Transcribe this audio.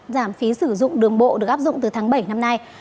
giảm phí sử dụng đường bộ được áp dụng từ tháng bảy năm nay